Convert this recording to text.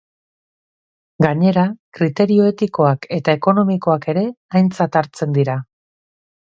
Gainera, kriterio etikoak eta ekonomikoak ere aintzat hartzen dira.